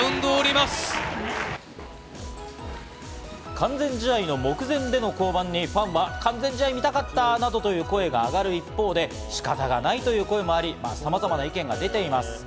完全試合の目前での降板にファンは完全試合が見たかったなどという声が上がる一方で、仕方がないという声もあり、さまざまな意見が出ています。